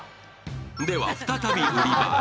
では再び売り場へ。